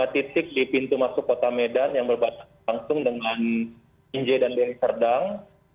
tiga titik di pintu masuk kota medan yang berbatasan langsung dengan inje dan deli serdang